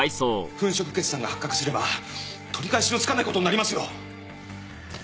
粉飾決算が発覚すれば取り返しのつかない事になりますよ！